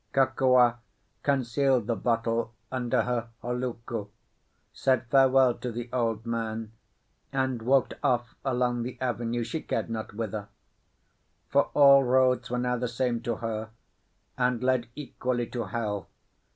Kokua concealed the bottle under her holoku, said farewell to the old man, and walked off along the avenue, she cared not whither. For all roads were now the same to her, and led equally to hell.